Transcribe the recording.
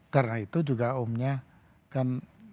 karena itu juga omnya kan